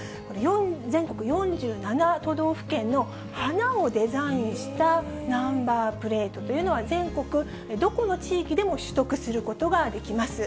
全国４７都道府県の花をデザインしたナンバープレートというのは、全国どこの地域でも取得することができます。